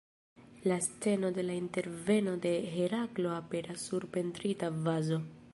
La sceno de la interveno de Heraklo aperas sur pentrita vazo.